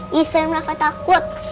bisa yang rafa takut